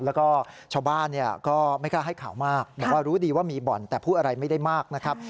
แล้วก็ชาวบ้านก็ไม่กล้าให้ข่าวมากบอกว่ารู้ดีว่ามีบ่อนแต่พูดอะไรไม่ได้มากนะครับ